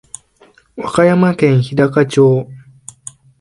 和歌山県日高町